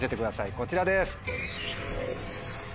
こちらです。